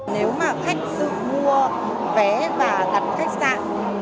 nếu mà khách sử mua vé và đặt khách sạn